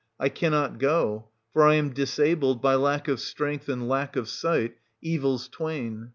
I cannot go ; for I am disabled by lack of strength and lack of sight, evils twain.